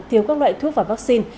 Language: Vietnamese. thiếu các loại thuốc và vaccine